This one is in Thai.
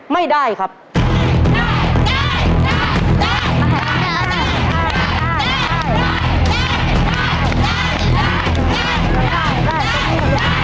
จะทำเวลาไหมครับเนี่ย